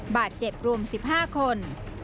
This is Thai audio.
บาดเจ็บรวม๑๕คน